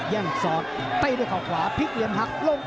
เตะด้วยเขาขวาพลิกยังหักลง